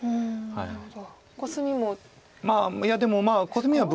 なるほど。